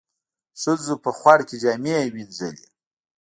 ښځو په خوړ کې جامې وينځلې.